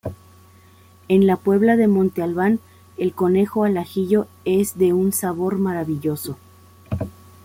En La Puebla de Montalbán el conejo al ajillo es de un sabor maravilloso.